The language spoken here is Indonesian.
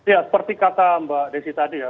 ya seperti kata mbak desi tadi ya